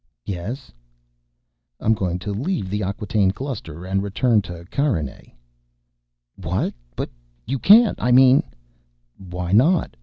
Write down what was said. "Yes?" "I'm going to leave the Acquataine Cluster and return to Carinae." "What? But you can't! I mean—" "Why not?